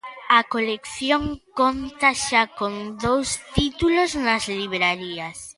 A colección conta xa con dous títulos nas librarías.